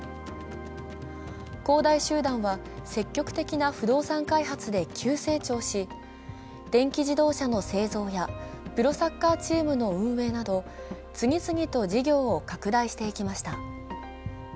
恒大集団は積極的な不動産開発で急成長し電気自動車の製造やプロサッカーチームの運営など、次々と事業を拡大していきました。